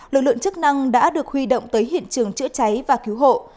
lực lượng chức năng đã được huy động tới hiện trường chữa cháy và cứu hộ